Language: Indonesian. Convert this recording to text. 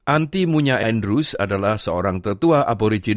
anti munya andrews adalah seorang tetua aborigin